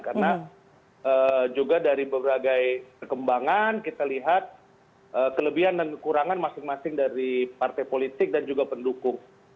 karena juga dari berbagai perkembangan kita lihat kelebihan dan kekurangan masing masing dari partai politik dan juga pendukung